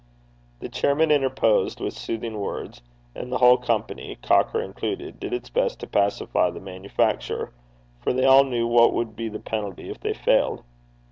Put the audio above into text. The chairman interposed with soothing words; and the whole company, Cocker included, did its best to pacify the manufacturer; for they all knew what would be the penalty if they failed.